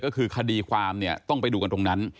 ก็คือคดีความเนี่ยต้องไปดูกันตรงนั้น